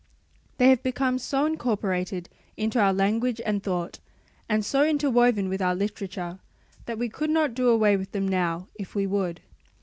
They have become so incorporated into our language and thought, and so interwoven with our literature, that we could not do away with them now if we would.